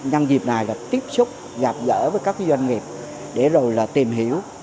hôm nay là tiếp xúc gặp gỡ với các doanh nghiệp để rồi là tìm hiểu